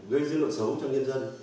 gây dữ luật xấu cho nhân dân